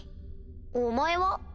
お前は？